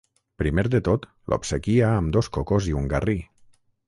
Primer de tot, l'obsequia amb dos cocos i un garrí.